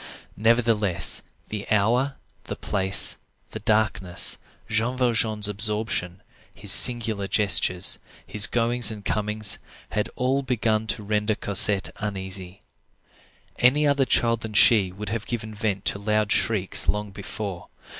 Nevertheless, the hour, the place, the darkness, Jean Valjean's absorption, his singular gestures, his goings and comings, all had begun to render Cosette uneasy. Any other child than she would have given vent to loud shrieks long before.